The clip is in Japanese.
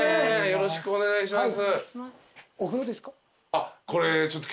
よろしくお願いします。